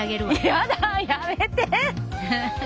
やだやめて！